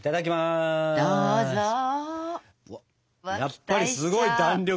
やっぱりすごい弾力。